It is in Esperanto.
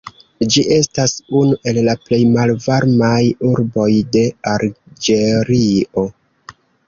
Ĝi estas unu el plej malvarmaj urboj de Alĝerio.